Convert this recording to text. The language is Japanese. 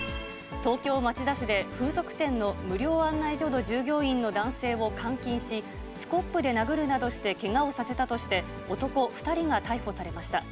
東京・町田市で、風俗店の無料案内所の従業員の男性を監禁し、スコップで殴るなどして、けがをさせたとして、男２人が逮捕されました。